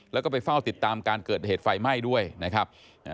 แล้วก็ไปเฝ้าติดตามการเกิดเหตุไฟไหม้ด้วยนะครับ